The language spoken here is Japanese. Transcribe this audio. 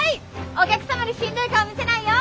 お客様にしんどい顔見せないよ！